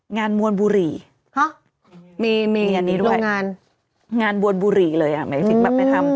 งานบวนบุหรี่มีอันนี้ด้วยงานบวนบุหรี่เลยอ่ะแบบไม่ทำ